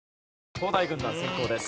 東大軍団先攻です。